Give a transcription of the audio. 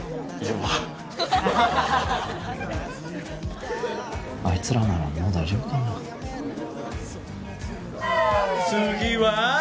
わあいつらならもう大丈夫かな・イエーイ！